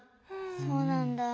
そうなんだ。